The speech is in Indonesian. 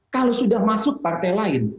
kalau sudah masuk partai lain